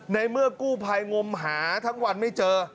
ในเมื่อกู้ภัยงมหาทั้งวันไม่เจอ